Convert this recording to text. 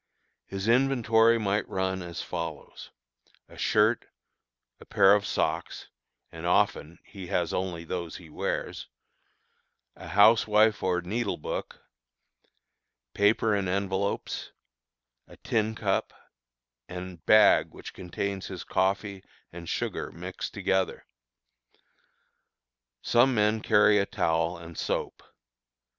His inventory might run as follows: A shirt, a pair of socks (and often he has only those he wears), a housewife or needle book, paper and envelopes, a tin cup, and bag which contains his coffee and sugar mixed together. Some men carry a towel and soap.